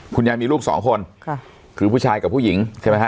คุณยายมีลูกสองคนค่ะคือผู้ชายกับผู้หญิงใช่ไหมฮ